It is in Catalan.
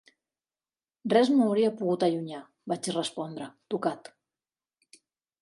"Res no m'hauria pogut allunyar", vaig respondre, tocat.